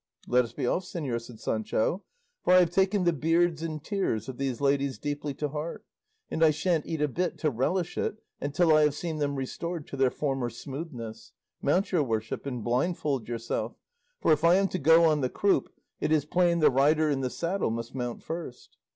"Let us be off, señor," said Sancho, "for I have taken the beards and tears of these ladies deeply to heart, and I shan't eat a bit to relish it until I have seen them restored to their former smoothness. Mount, your worship, and blindfold yourself, for if I am to go on the croup, it is plain the rider in the saddle must mount first."